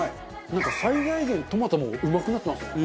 なんか最大限トマトもうまくなってますね。